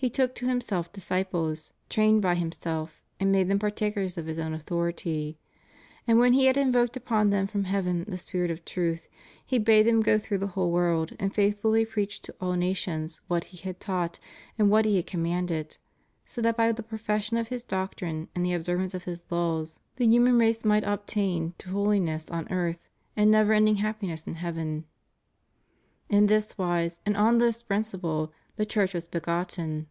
He took to Himself disciples, trained by Himself, and made them partakers of His own authority. And, when He had invoked upon them from heaven the Spirit of Truth, He bade them go through the whole world and faithfully preach to aU nations what He had taught and what He had commanded, so that by the profession of His doctrine, and the observance of His laws, the human race might » Matt. xi. 30. ' James L 17. » 1 Cor. iii. 6. * Philipp. ii. 6, 7. 362 THE UNITY OF THE CHURCH. attain to holiness on earth and never ending happiness in heaven. In this wise, and on this principle, the Church was begotten.